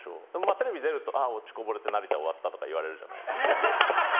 テレビに出ると落ちこぼれたとかって言われるじゃないですか。